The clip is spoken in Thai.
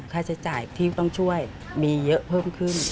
ค่าใช้จ่ายที่ต้องช่วยมีเยอะเพิ่มขึ้น